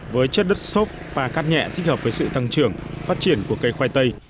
với chất đất sốc và cát nhẹ thích hợp với sự thăng trưởng phát triển của cây khoai tây